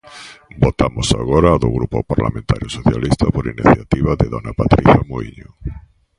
Votamos agora a do Grupo Parlamentario Socialista, por iniciativa de dona Patricia Muíño.